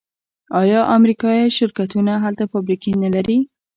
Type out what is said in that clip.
آیا امریکایی شرکتونه هلته فابریکې نلري؟